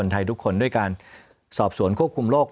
ไทยทุกคนด้วยการสอบสวนควบคุมโรค